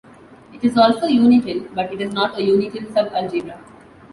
It is also unital, but it is not a unital subalgebra.